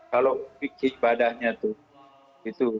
kalau pikir padanya itu